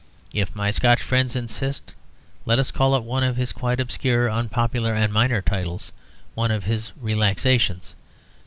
If my Scotch friends insist, let us call it one of his quite obscure, unpopular, and minor titles; one of his relaxations.